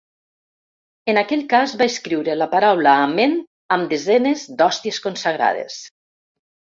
En aquell cas va escriure la paraula amén amb desenes d’hòsties consagrades.